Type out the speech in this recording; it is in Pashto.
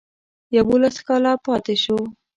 یوولس کاله پاته شو.